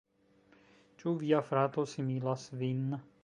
Ĉu via frato similas vin?